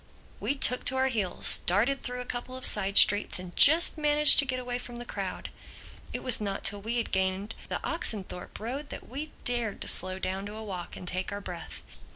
We took to our heels, darted through a couple of side streets and just managed to get away from the crowd. It was not till we had gained the Oxenthorpe Road that we dared to slow down to a walk and take our breath.